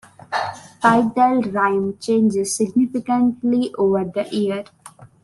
Pike diel rhythm changes significantly over the year.